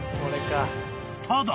［ただ］